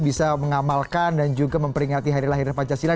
bisa mengamalkan dan juga memperingati hari lahir pancasila